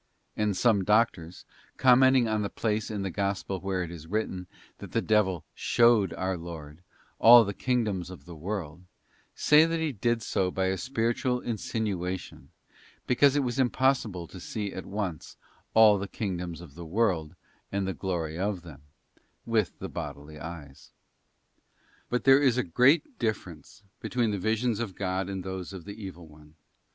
And some Doctors, commenting on that place in the Gospel where it is written that the devil 'showed' our Lord 'all the kingdoms of the world,'* say that he did so by a spiritual insinuation, because it was impossible to see at once 'all the kingdoms of the world and the glory of them' with the bodily eyes. But there is a great difference between the visions of God and those of the evil one.